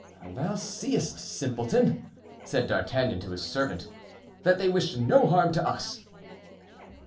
"Thou seest, simpleton," said D'Artagnan to his servant, "that they wished no harm to us."